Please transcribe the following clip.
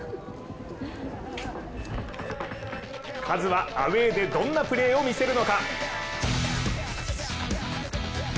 カズはアウェーでどんなプレーを見せるのか。